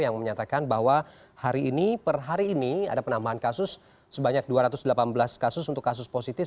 yang menyatakan bahwa hari ini per hari ini ada penambahan kasus sebanyak dua ratus delapan belas kasus untuk kasus positif